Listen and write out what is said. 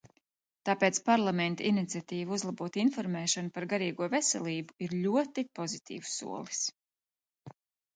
Tāpēc Parlamenta iniciatīva uzlabot informēšanu par garīgo veselību ir ļoti pozitīvs solis.